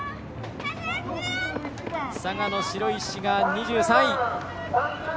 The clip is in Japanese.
佐賀の白石が２３位。